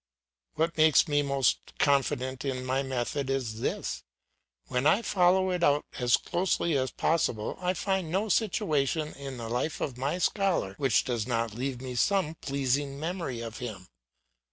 What makes me most confident in my method is this: when I follow it out as closely as possible, I find no situation in the life of my scholar which does not leave me some pleasing memory of him.